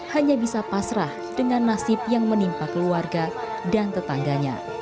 hanya bisa pasrah dengan nasib yang menimpa keluarga dan tetangganya